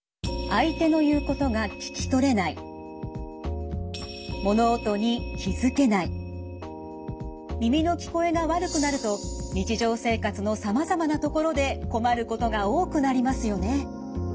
相手の言うことが耳の聞こえが悪くなると日常生活のさまざまなところで困ることが多くなりますよね。